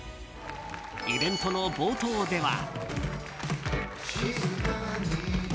イベントの冒頭では。